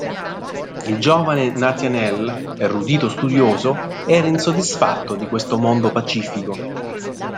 Il giovane Nathaniel, erudito studioso, era insoddisfatto di questo mondo pacifico.